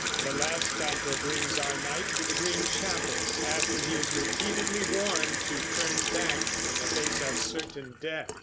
The last canto brings our knight to the Green Chapel, after he is repeatedly warned to turn back in the face of certain death.